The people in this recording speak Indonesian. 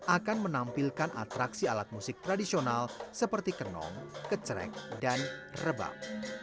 akan menampilkan atraksi alat musik tradisional seperti kenong kecerek dan rebak